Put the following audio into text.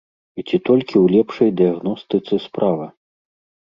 І ці толькі ў лепшай дыягностыцы справа?